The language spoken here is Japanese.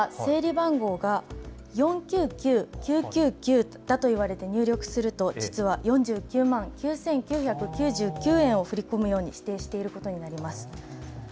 例えば整理番号が４９９９９９だと言われて入力すると実は４９万９９９９円を振り込むように指定していることになります。